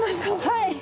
はい！